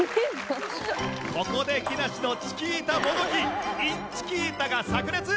ここで木梨のチキータもどきインチキータが炸裂！